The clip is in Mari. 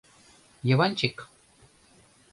— Йыванчик...